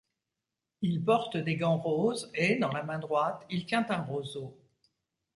Il porte des gants roses et, dans la main droite, il tient un roseau.